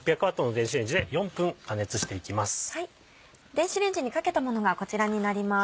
電子レンジにかけたものがこちらになります。